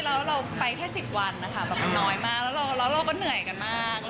แล้วเราไปแค่๑๐วันนะคะแบบมันน้อยมากแล้วเราก็เหนื่อยกันมาก